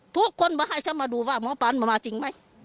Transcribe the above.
ทุกคนมาให้ฉันมาดูว่าหมอปันมาจริงไหม